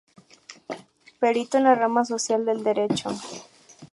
Perito en la rama social del derecho.